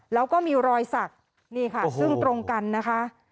แล้วก็มีรอยสักนี่ค่ะซึ่งตรงกันนะคะ